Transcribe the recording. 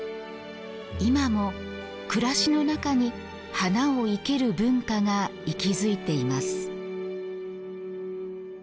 今も暮らしの中に花を生ける文化が息づいています。